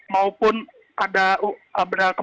maupun ada benar kemungkinan